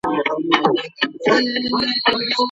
که توافق موجود وي ژوند به ارام وي.